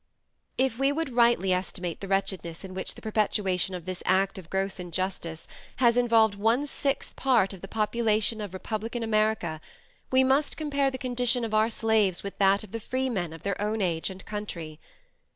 If we would rightly estimate the wretchedness in which the perpetration of this "act of gross injustice" has involved one sixth part of the population of Republican America, we must compare the condition of our slaves with that of the freemen of their own age and country.